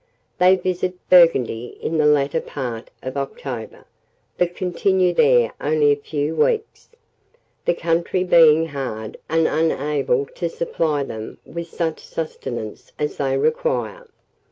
They visit Burgundy in the latter part of October, but continue there only a few weeks, the country being hard, and unable to supply them with such sustenance as they require.